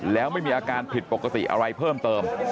แล้วไม่มีอาการผิดปกติอะไรเพิ่มเติม